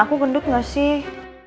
aku gendut gak sih